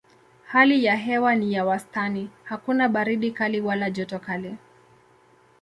Hali ya hewa ni ya wastani: hakuna baridi kali wala joto kali.